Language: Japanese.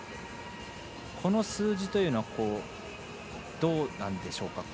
この数字はどうなんでしょうか。